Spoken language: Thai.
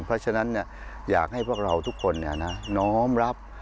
เพราะฉะนั้นอยากให้พวกเราทุกคนน้อมรับ